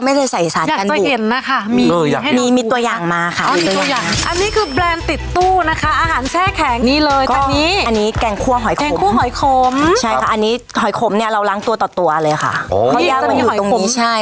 ผู้หอยขมใช่ค่ะอันนี้หอยขมเนี้ยเราร้างตัวต่อตัวเลยค่ะเขายากมันอยู่ตรงนี้ใช่